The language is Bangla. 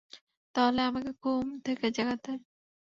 তাহলে আমাকে ঘুম থেকে জাগাতে।